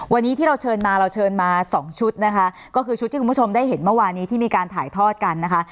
วันนี้ที่เราเชิญมาเราเชิญมาสองชุดนะคะก็คือชุดที่คุณผู้ชมได้เห็นเมื่อวานี้ที่มีการถ่ายทอดกันนะคะ